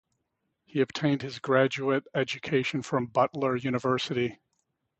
He obtained his graduate education from Butler University.